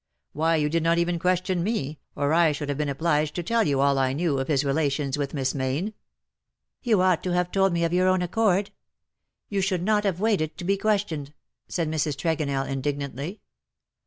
Why you did not even question me, or I should have been obliged to tell you all I knew of his relations with Miss Mayne."*^ MY GOOD DAYS ARE DONE." 23 " You ouglit to have told me of your own accord. You should not have waited to be questioned/^ said Mrs. Tregonellj indignantly.